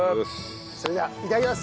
それではいただきます。